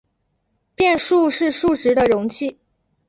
变数是数值的容器。